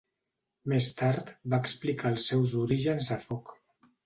Més tard, va explicar els seus orígens a Foc.